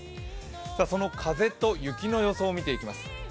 その風と雪の予想を見ていきます。